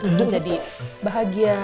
andar jadi bahagia